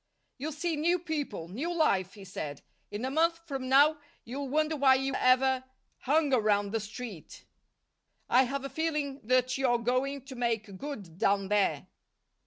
"You'll see new people, new life," he said. "In a month from now you'll wonder why you ever hung around the Street. I have a feeling that you're going to make good down there."